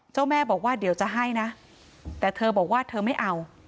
แม่บอกว่าเดี๋ยวจะให้นะแต่เธอบอกว่าเธอไม่เอา